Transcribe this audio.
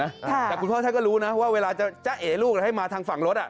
แต่คุณพ่อท่านก็รู้นะว่าเวลาจะจ้าเอ๋ลูกให้มาทางฝั่งรถอ่ะ